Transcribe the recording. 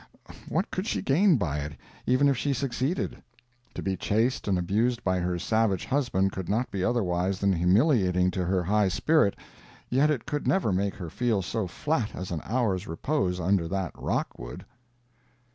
What could she gain by it, even if she succeeded? To be chased and abused by her savage husband could not be otherwise than humiliating to her high spirit, yet it could never make her feel so flat as an hour's repose under that rock would.